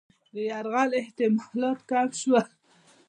د یرغل احتمالات کم شول.